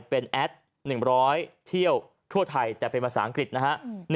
เป็นแอด๑๐๐เที่ยวทั่วไทยแต่เป็นภาษาอังกฤษนะฮะ